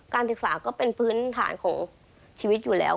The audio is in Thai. ศึกษาก็เป็นพื้นฐานของชีวิตอยู่แล้ว